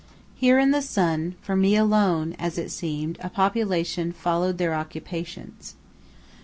Here in the sun, for me alone, as it seemed, a population followed their occupations.